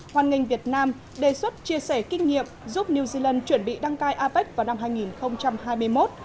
hoàn nghênh việt nam đề xuất chia sẻ kinh nghiệm giúp new zealand chuẩn bị đăng cai apec vào năm hai nghìn hai mươi một